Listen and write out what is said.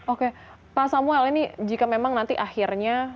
oke pak samuel ini jika memang nanti akhirnya